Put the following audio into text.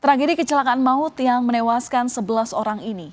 tragedi kecelakaan maut yang menewaskan sebelas orang ini